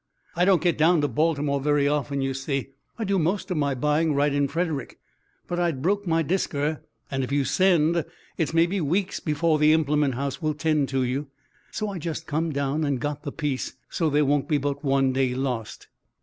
I don't get down to Baltimore very often, you see. I do most of my buying right in Frederick, but I'd broke my disker, and if you send, it's maybe weeks before the implement house will 'tend to you. So I just come down and got the piece, so there won't be but one day lost."